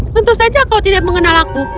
tentu saja kau tidak mengenalku